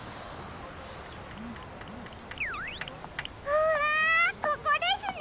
うわここですね！